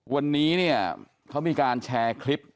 วันนี้เนี่ยเขามีการแชร์คลิป